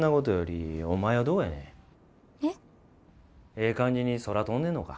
ええ感じに空飛んでんのか？